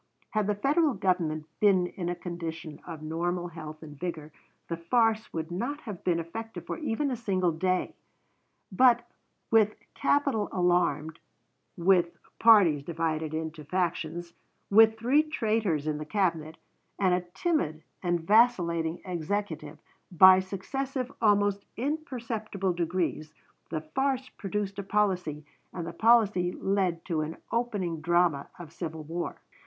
Had the Federal Government been in a condition of normal health and vigor, the farce would not have been effective for even a single day; but, with capital alarmed, with, parties divided into factions, with three traitors in the Cabinet, and a timid and vacillating Executive, by successive, almost imperceptible, degrees, the farce produced a policy and the policy led to an opening drama of civil war.